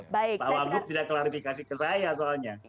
pak wagub tidak klarifikasi ke saya soalnya